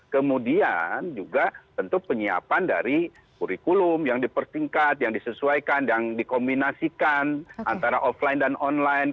kemudian juga tentu penyiapan dari kurikulum yang dipertingkat yang disesuaikan yang dikombinasikan antara offline dan online